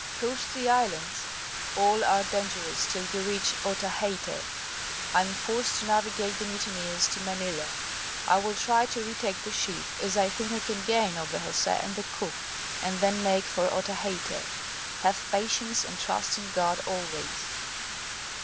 Coast the islands, all are dangerous till you reach Otaheite. Am forced to navigate the mutineers to Manila, I will try to retake the ship, as I think I can gain over Jose and the cook, and then make for Otaheite. Have patience, and trust in God always."